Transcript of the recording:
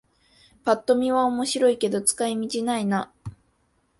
ぱっと見は面白いけど使い道ないな